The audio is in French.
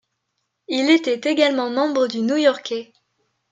Il était également membre du new-yorkais.